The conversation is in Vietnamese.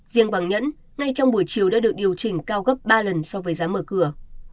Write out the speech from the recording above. riêng vàng nhẫn ngay trong buổi chiều đã được điều chỉnh cao gấp ba lần so với giá mở cửa